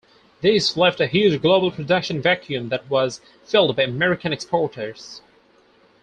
This left a huge global production vacuum that was filled by American exporters.